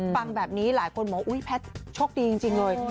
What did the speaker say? ฟังแบบนี้หลายคนบอกอุ๊ยแพทย์โชคดีจริงเลย